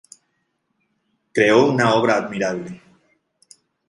Creó una obra admirable.